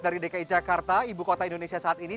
dari dki jakarta ibu kota indonesia saat ini